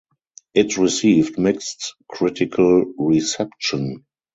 It received mixed critical reception.